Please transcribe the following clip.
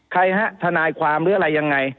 ใครฮะทนายความหรืออะไรยังไง